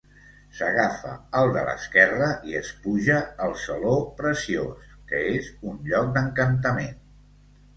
S'agafa el de l'esquerra, i es puja al saló Preciós, que és un lloc d'encantament.